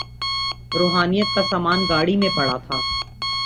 روحانیت کا سامان گاڑی میں پڑا تھا۔